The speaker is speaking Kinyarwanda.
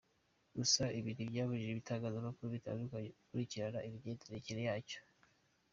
Gusa ibi ntibyabujije ibitangazamakuru bitandukanye gukurikirana imigendekere yacyo.